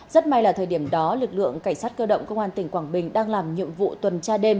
rất may là thời điểm đó lực lượng cảnh sát cơ động công an tỉnh quảng bình đang làm nhiệm vụ tuần tra đêm